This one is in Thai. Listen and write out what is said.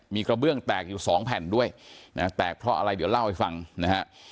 มีกระเบื้องแตกอยู่สองแผ่นด้วยนะฮะแตกเพราะอะไรเดี๋ยวเล่าให้ฟังนะฮะ